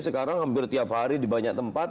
sekarang hampir tiap hari di banyak tempat